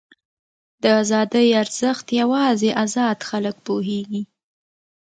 د ازادۍ ارزښت یوازې ازاد خلک پوهېږي.